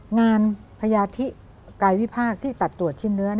งานพญาธิกายวิพากษ์ที่ตัดตรวจชิ้นเนื้อ